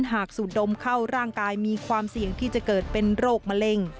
สูดดมเข้าร่างกายมีความเสี่ยงที่จะเกิดเป็นโรคมะเร็ง